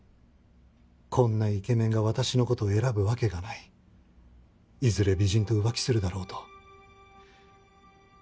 「こんなイケメンが私の事を選ぶわけがない」「いずれ美人と浮気するだろう」と。